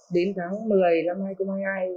đến tháng một mươi năm hai nghìn hai mươi hai